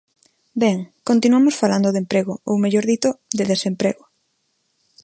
Ben, continuamos falando de emprego, ou, mellor dito, de desemprego.